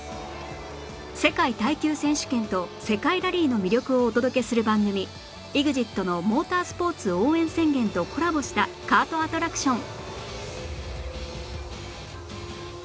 世界耐久選手権と世界ラリーの魅力をお届けする番組『ＥＸＩＴ のモータースポーツ応援宣言』とコラボしたカートアトラクション